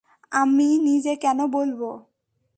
আমি নিজে কেন বলবো?